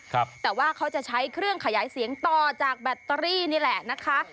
แต่ว่าเขาจะใช้เครื่องขยายเสียงต่อจากแบตเตอรี่นี่แหละนะคะ